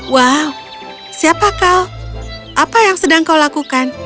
wow siapa kau apa yang sedang kau lakukan